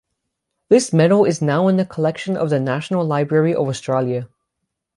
This medal is now in the collection of the National Library of Australia.